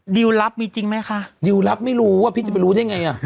ดิวรับมีจริงไหมคะดิวรับไม่รู้ว่าพี่จะไปรู้ได้ไงอ่ะ